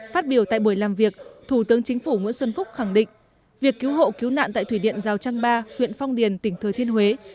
phát biểu tại buổi làm việc thủ tướng chính phủ nguyễn xuân phúc khẳng định việc cứu hộ cứu nạn tại thủy điện giao trang ba huyện phong điền tỉnh thừa thiên huế